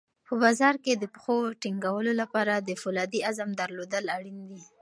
په بازار کې د پښو ټینګولو لپاره د فولادي عزم درلودل اړین دي.